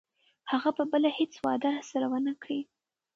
هغه به بله هیڅ وعده راسره ونه کړي.